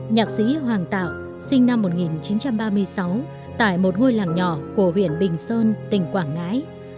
nhạc sĩ hoàng tạo sinh năm một nghìn chín trăm ba mươi sáu tại một ngôi làng nhỏ của huyện bình sơn tỉnh quảng ngãi